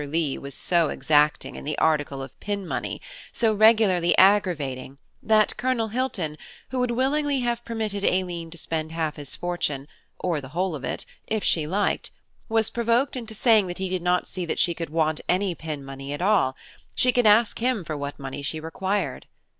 Leigh was so exacting in the article of pin money, so regularly aggravating, that Colonel Hilton, who would willingly have permitted Aileen to spend half his fortune or the whole of it, if she liked, was provoked into saying that he did not see that she could want any pin money at all, she could ask him for what money she required.